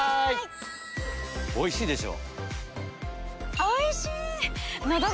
おいしいでしょ？